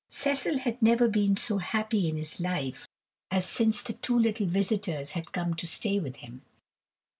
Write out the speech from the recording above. Cecil had never been so happy in his life as since the two little visitors had come to stay with him.